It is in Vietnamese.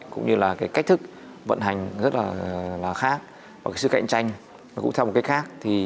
cũng như là cách thức vận hành rất là khác và sự cạnh tranh cũng theo một cách khác